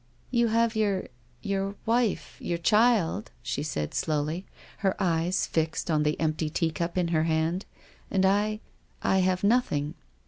" You have your — your — wife, your child," she said slowly, her eyes fixed on the empty teacup in her hand, " and I — I have nothing."